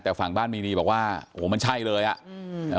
แต่ฝั่งบ้านมีนีบอกว่าโอ้โหมันใช่เลยอ่ะอืมอ่า